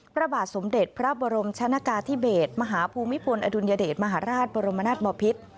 พระบาทสมเด็จพระบรมชนะกาธิเบศมหาภูมิพลอดุลยเดชมหาราชบรมนาศบอพิษ